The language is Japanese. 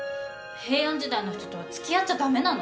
平安時代の人とはつきあっちゃダメなの？